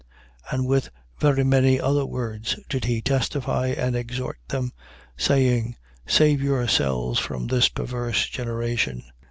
2:40. And with very many other words did he testify and exhort them, saying: Save yourselves from this perverse generation.